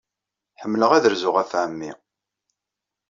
Ḥemmleɣ ad rzuɣ ɣef ɛemmi.